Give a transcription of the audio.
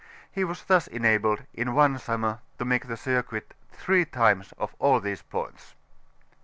He was thus enabled, in one summer, to make the circuit three times of all these points.